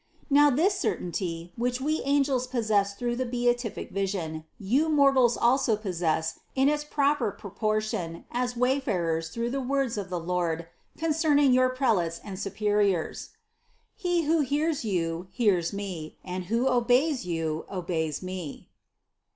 Now this certainty, which we angels possess through the beatific vision, you mortals also pos sess in its proper proportion as wayfarers through the words of the Lord concerning your prelates and supe riors : "He who hears you, hears Me ; and who obeys you, obeys Me."